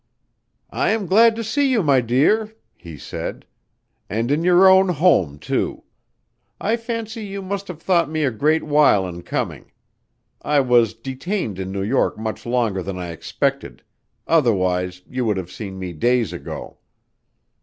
"I am glad to see you, my dear," he said, " and in your own home, too. I fancy you must have thought me a great while in coming. I was detained in New York much longer than I expected; otherwise you would have seen me days ago."